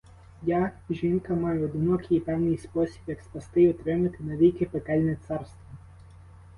Я, жінка, маю одинокий і певний спосіб, як спасти й утримати навіки пекельне царство.